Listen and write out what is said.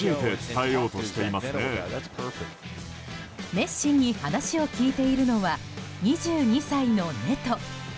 熱心に話を聞いているのは２２歳のネト。